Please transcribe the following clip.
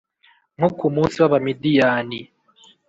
Nko ku munsi w abamidiyani